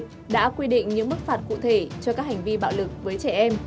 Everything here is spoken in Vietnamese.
nghị định một trăm ba mươi đã quy định những mức phạt cụ thể cho các hành vi bạo lực với trẻ em